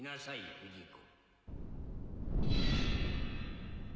不二子。